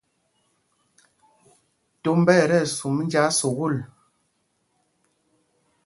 Tombá ɛ tí ɛsum njāā sukûl.